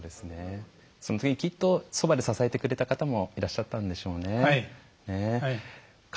きっとそばで支えてくれた方もいらっしゃったんでしょうね。